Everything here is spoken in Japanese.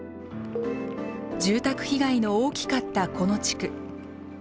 住宅被害の大きかったこの地区。